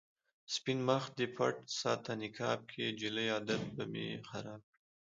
سپين مخ دې پټ ساته نقاب کې، جلۍ عادت به مې خراب کړې